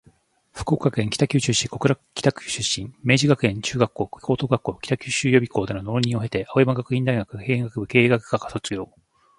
福岡県北九州市小倉北区出身。明治学園中学校・高等学校、北九州予備校（北予備）での浪人を経て、青山学院大学経営学部経営学科卒業